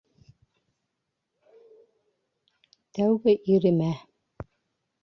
Тәүге иремә.